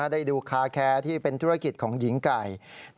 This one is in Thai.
ได้ดูคาแคร์ที่เป็นธุรกิจของหญิงไก่